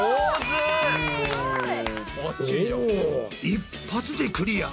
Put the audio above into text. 一発でクリア。